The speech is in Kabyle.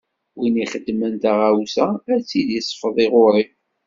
Win ixedmen taɣawsa, ad tt-id-isfeḍ ɣuṛ-i.